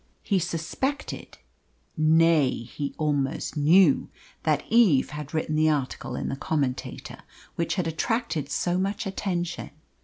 He suspected nay, he almost knew that Eve had written the article in the Commentator which had attracted so much attention.